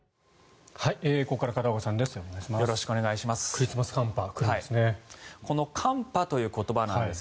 ここから片岡さんです。